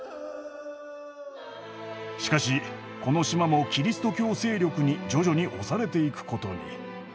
しかしこの島もキリスト教勢力に徐々に押されていくことに。